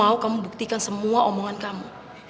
mau kamu buktikan semua omongan kamu